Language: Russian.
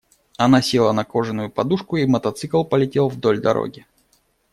Она села на кожаную подушку, и мотоцикл полетел вдоль дороги.